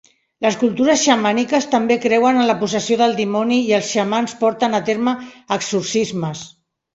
Les cultures xamàniques també creuen en la possessió del dimoni i els xamans porten a terme exorcismes.